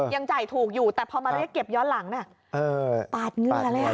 ยังจ่ายถูกอยู่แต่พอมาเรียกเก็บย้อนหลังปาดเหงื่อเลย